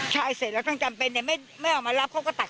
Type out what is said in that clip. ใช่เสร็จเราต้องจำเป็นเนั้นไม่ส์ไม่เอามารับเขาก็ตัด